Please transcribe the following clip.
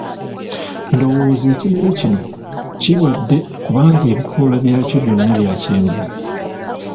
Ndowooza ekimera kino kirwadde kubanga ebikoola byakyo byonna bya kyenvu.